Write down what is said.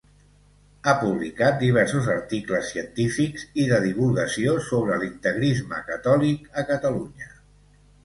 Ha publicat diversos articles científics i de divulgació sobre l'integrisme catòlic a Catalunya.